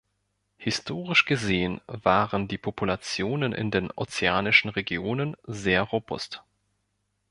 Historisch gesehen waren die Populationen in den ozeanischen Regionen sehr robust.